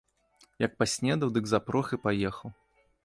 Як паснедаў, дык запрог і паехаў.